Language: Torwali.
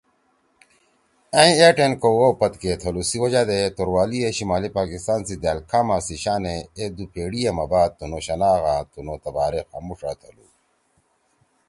أئں اے ٹین کؤ او پتکے تھلُو سی وجہ دے توروالیِے شمالی پاکستان سی دأل کھاما سی شانے اے دُو پیڑیِا ما بعد تُنُو شناخت آں تُنُو تباریخ آمُوݜا تھلُو۔